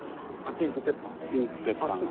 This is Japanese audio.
ピンクペッパーが。